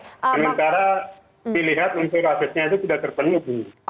sementara dilihat untuk asasnya itu tidak terpenuh